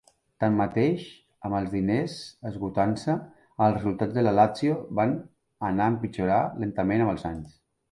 Tanmateix, amb els diners esgotant-se, els resultats de la Lazio van anar empitjorar lentament amb els anys.